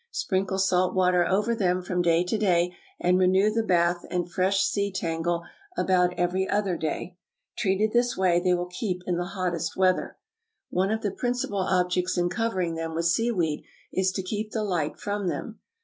Sprinkle salt water over them from day to day, and renew the bath and fresh sea tangle about every other day. Treated this way, they will keep in the hottest weather. One of the principal objects in covering them with seaweed is to keep the light from them.